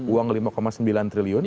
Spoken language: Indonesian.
uang lima sembilan triliun